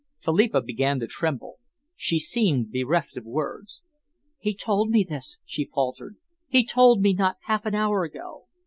Philippa began to tremble. She seemed bereft of words. "He told me this," she faltered. "He told me not half an hour ago."